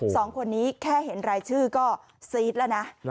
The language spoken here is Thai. สองคนนี้แค่เห็นรายชื่อก็ซีดแล้วนะ